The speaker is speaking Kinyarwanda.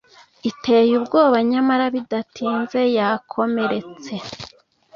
iteye ubwoba nyamara bidatinze yakomeretse